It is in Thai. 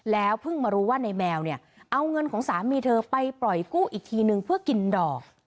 เพิ่งมารู้ว่าในแมวเนี่ยเอาเงินของสามีเธอไปปล่อยกู้อีกทีนึงเพื่อกินดอก